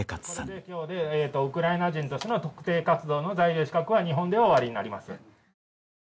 これできょうでウクライナ人としての特定活動の在留資格は日本では終わりになります